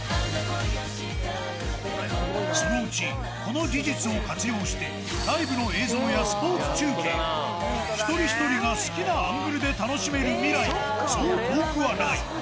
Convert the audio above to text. そのうち、この技術を活用して、ライブの映像やスポーツ中継、一人一人が好きなアングルで楽しめる未来も、そう遠くはない。